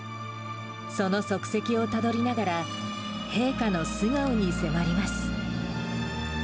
その足跡をたどりながら、陛下の素顔に迫ります。